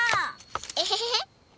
エヘヘヘ！